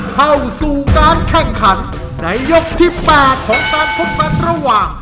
เข้าสู่การแข่งขันในยกที่๘ของการพบกันระหว่าง